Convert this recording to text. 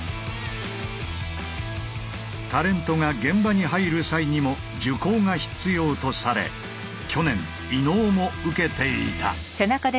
タレントが現場に入る際にも受講が必要とされ去年伊野尾も受けていた。